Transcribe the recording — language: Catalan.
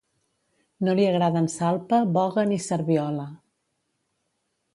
No li agraden salpa, boga ni serviola.